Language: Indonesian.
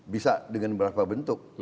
bisa dengan berapa bentuk